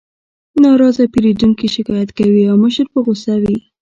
ناراضه پیرودونکي شکایت کوي او مشر په غوسه وي